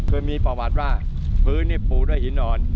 เคยมีประวัติว่าพื้นนี่ปูด้วยหินอ่อน